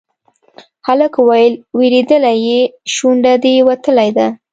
هلک وويل: وېرېدلی يې، شونډه دې وتلې ده.